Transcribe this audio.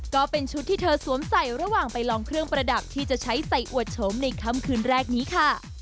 ก็เป็นชุดที่เธอสวมใส่ระหว่างไปลองเครื่องประดับที่จะใช้ใส่อวดโฉมในค่ำคืนแรกนี้ค่ะ